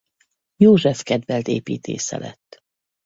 József kedvelt építésze lett.